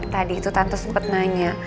tadi itu tante sempat nanya